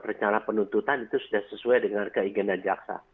karena penuntutan itu sudah sesuai dengan keinginan jaksa